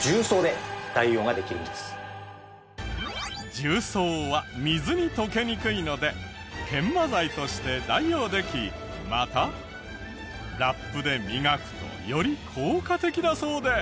重曹は水に溶けにくいので研磨剤として代用できまたラップで磨くとより効果的だそうで。